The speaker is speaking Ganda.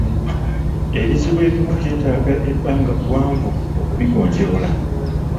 Ebizibu ebimu byetaaga ebbanga ggwanvu okubigonjoola.